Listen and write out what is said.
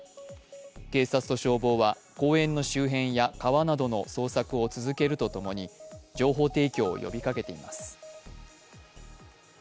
警察と消防は公園の周辺や川などの捜索を続けるとともに情報提供を呼びかけています。